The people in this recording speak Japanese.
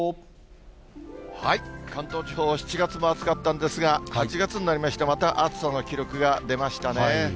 関東地方、７月も暑かったんですが、８月になりまして、また暑さの記録が出ましたね。